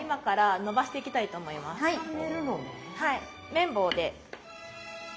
麺棒で。